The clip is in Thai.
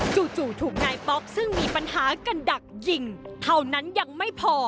จู่ถูกนายป๊อกซึ่งมีปัญหากันดักยิงเท่านั้นยังไม่พอ